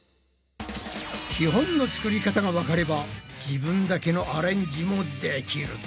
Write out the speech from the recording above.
基本の作り方がわかれば自分だけのアレンジもできるぞ！